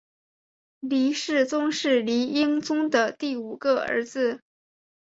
黎世宗是黎英宗的第五个儿子。